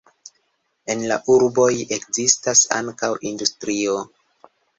En la urboj ekzistas ankaŭ industrio.